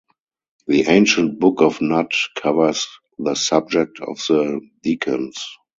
The ancient Book of Nut, covers the subject of the decans.